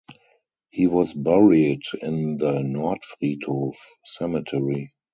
He was buried in the Nordfriedhof cemetery.